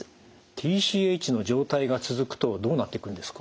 ＴＣＨの状態が続くとどうなっていくんですか？